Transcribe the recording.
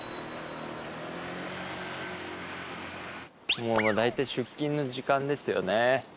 もう大体出勤の時間ですよね。